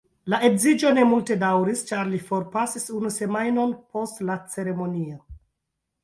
La edziĝo ne multe daŭris ĉar li forpasis unu semajnon post la ceremonio.